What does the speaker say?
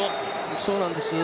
そうなんです。